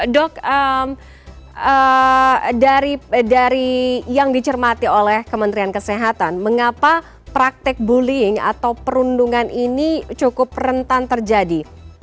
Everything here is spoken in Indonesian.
dok dari yang dicermati oleh kementerian kesehatan mengapa praktek bullying atau perundungan ini cukup rentan terjadi